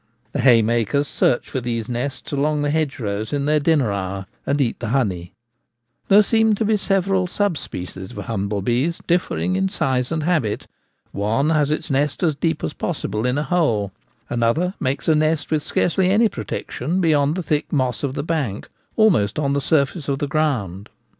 The haymakers search for these nests along the hedgerows in their dinner hour, and eat the honey. There seem to be several sub species of humble bee, differing in size and habit. One has its nest as deep as possible in a hole ; another makes a nest with scarcely any protection beyond the thick moss of the bank, almost on the surface of the ground.